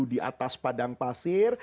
di atas padang pasir